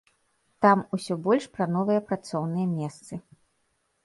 Там усё больш пра новыя працоўныя месцы.